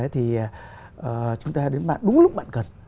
thì chúng ta đến bạn đúng lúc bạn cần